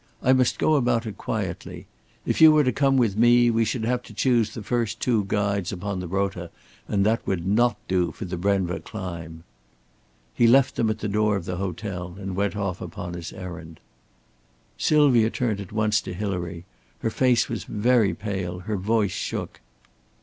I must go about it quietly. If you were to come with me, we should have to choose the first two guides upon the rota and that would not do for the Brenva climb." He left them at the door of the hotel and went off upon his errand. Sylvia turned at once to Hilary; her face was very pale, her voice shook.